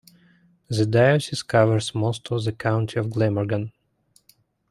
The diocese covers most of the County of Glamorgan.